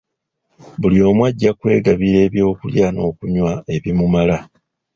Buli omu ajja kwegabira eby’okulya n’okunywa ebimumala.